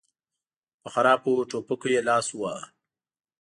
په خرابو ټوپکو یې لاس وواهه.